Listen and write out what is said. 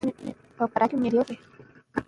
او د غره لمن له لیری ورښکاره سول